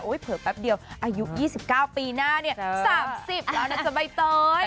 เผลอแป๊บเดียวอายุ๒๙ปีหน้าเนี่ย๓๐แล้วนะจ๊ะใบเตย